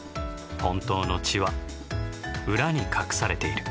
本当の知は裏に隠されている。